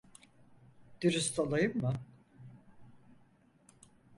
Dürüst olayım mı?